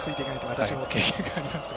私も経験がありますが。